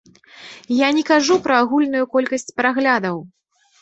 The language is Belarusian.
Я не кажу пра агульную колькасць праглядаў!